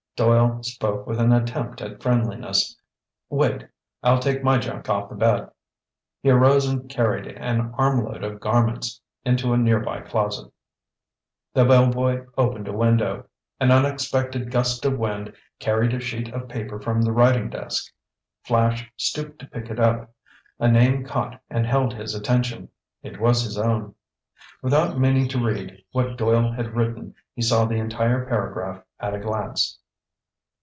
Doyle spoke with an attempt at friendliness. "Wait, I'll take my junk off the bed." He arose and carried an armload of garments into a near by closet. The bellboy opened a window. An unexpected gust of wind carried a sheet of paper from the writing desk. Flash stooped to pick it up. A name caught and held his attention. It was his own. Without meaning to read what Doyle had written, he saw the entire paragraph at a glance